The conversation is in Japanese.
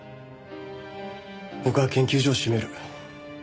僕は研究所を閉める。